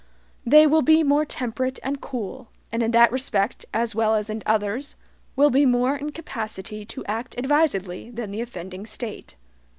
They will be more temperate and cool, and in that respect, as well as in others, will be more in capacity to act advisedly than the offending State.